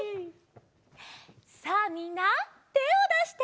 さあみんなてをだして！